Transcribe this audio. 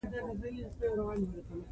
اوښ د افغانستان د ځایي اقتصادونو بنسټ دی.